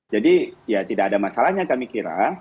jadi ya tidak ada masalahnya kami kira